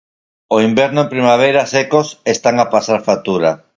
O inverno e primavera secos están a pasar factura.